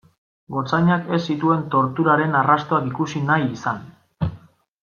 Gotzainak ez zituen torturaren arrastoak ikusi nahi izan.